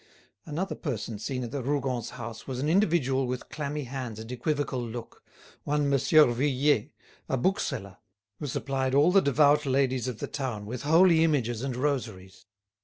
Another person seen at the Rougons' house was an individual with clammy hands and equivocal look, one Monsieur Vuillet, a bookseller, who supplied all the devout ladies of the town with holy images and rosaries.